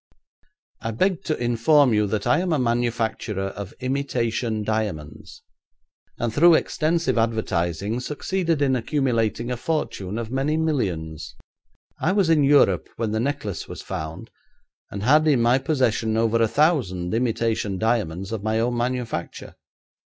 'I beg to inform you that I am a manufacturer of imitation diamonds, and through extensive advertising succeeded in accumulating a fortune of many millions. I was in Europe when the necklace was found, and had in my possession over a thousand imitation diamonds of my own manufacture.